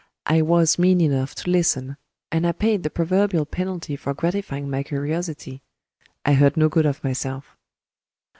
I was mean enough to listen; and I paid the proverbial penalty for gratifying my curiosity I heard no good of myself.